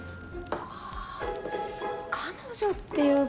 ああ彼女っていうか。